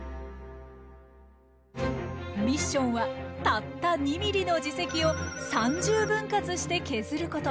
ミッションはたった２ｍｍの耳石を３０分割して削ること。